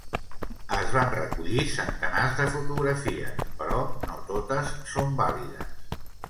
Es van recollir centenars de fotografies, però no totes són vàlides.